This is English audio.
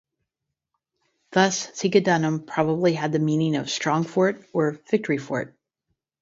Thus "Segedunum" probably had the meaning of "strong fort" or "victory fort".